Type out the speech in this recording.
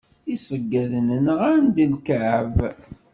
Iseyyaḍen nɣan-d ikεeb.